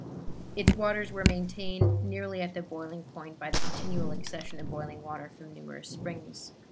Its waters were maintained nearly at the boiling point by the continual accession of boiling water from numerous springs.